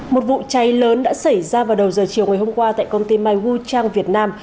một vụ cháy lớn đã xảy ra vào đầu giờ chiều ngày hôm qua tại công ty mayu trang việt nam